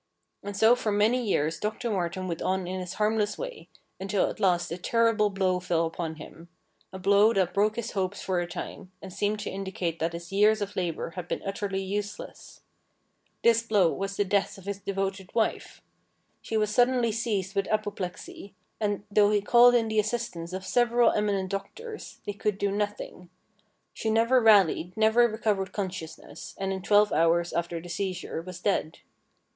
And so for many years Doctor Martin went on in his harmless way, until at last a terrible blow fell upon him — a blow that broke his hopes for a time, and seemed to indicate that his years of labour had been utterly useless. This blow was the death of his devoted wife. She was suddenly seized with apoplexy, and, though he called in the assistance of THE STRANGE STORY OF DR. MARTIN 311 several eminent doctors, they could do nothing. She never rallied, never recovered consciousness, and in twelve hours after the seizure was dead.